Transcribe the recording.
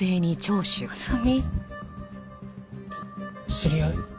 知り合い？